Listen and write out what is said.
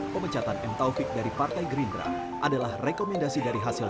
pemecatan m taufik dari partai gerindra adalah rekomendasi dari hasil